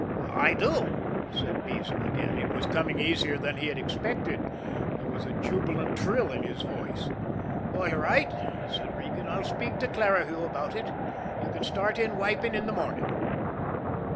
"I do," said Beezer again. It was coming easier than he had expected there was a jubilant trill in his voice. "All right," said Regan. "I'll speak to Clarihue about it. You can start in wiping in the morning."